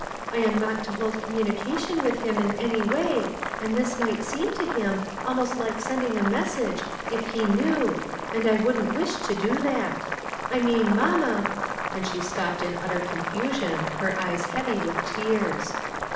I am not to hold communication with him in any way, and this might seem to him almost like sending a message if he SEVERAL STARTLING POINTS. . 13! knew, and I wouldn't wish to do that. I mean mamma, "— And she stopped in ut ter confusion, her eyes heavy with tears.